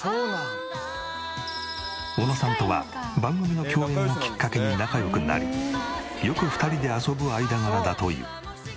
小野さんとは番組の共演をきっかけに仲良くなりよく２人で遊ぶ間柄だという。